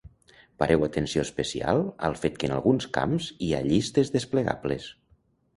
Pareu atenció especial al fet que en alguns camps hi ha llistes desplegables.